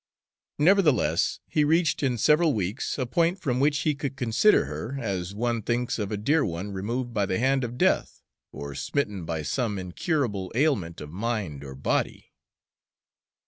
Nevertheless, he reached in several weeks a point from which he could consider her as one thinks of a dear one removed by the hand of death, or smitten by some incurable ailment of mind or body.